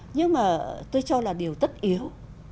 nhưng mà tôi cho là điều tất yếu